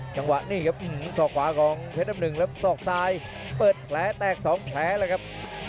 จังหวะนี่ครับสอกขวาของเพชรน้ำหนึ่งแล้วศอกซ้ายเปิดแผลแตก๒แผลเลยครับ